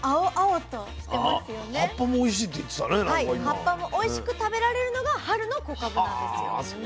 葉っぱもおいしく食べられるのが春の小かぶなんですよ。